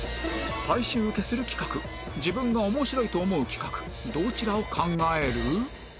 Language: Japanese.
大衆受けする企画自分が面白いと思う企画どちらを考える？